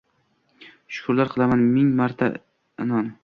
Shukurlar qilaman ming marta, inon!